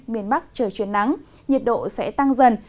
miền bắc trời chuyển nắng nhiệt độ sẽ tăng dần